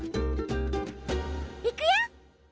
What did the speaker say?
いくよ！